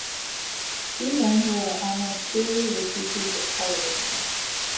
Two men who are almost purely the creatures of television.